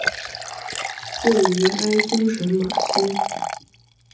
位于埃松省马西。